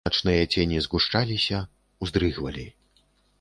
Начныя цені згушчаліся, уздрыгвалі.